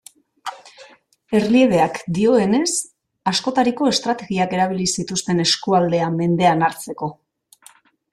Erliebeak dioenez, askotariko estrategiak erabili zituzten eskualdea mendean hartzeko.